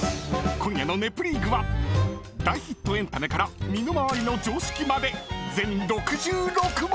［今夜の『ネプリーグ』は大ヒットエンタメから身の回りの常識まで全６６問！］